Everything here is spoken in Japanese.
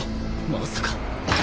まさか。